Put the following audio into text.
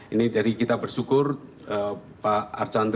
ini jadi kita bersyukur pak archandra